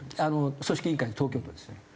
組織委員会の東京都ですね。